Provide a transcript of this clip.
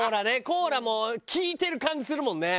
コーラも効いてる感じするもんね。